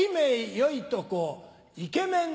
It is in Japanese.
よいとこイケメン